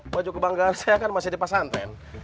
baju kebanggaan saya kan masih di pesantren